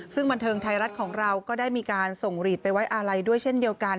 ซึ่งบันเทิงไทยรัฐของเราก็ได้มีการส่งหลีดไปไว้อาลัยด้วยเช่นเดียวกัน